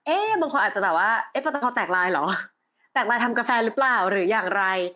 บางคนอาจจะแบบว่าเอ๊ะปอตคอแตกลายเหรอแตกลายทำกาแฟหรือเปล่าหรืออย่างไร